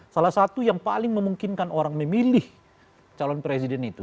salah satu yang paling memungkinkan orang memilih calon presiden itu